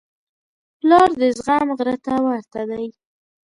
پلار د زغم غره ته ورته دی.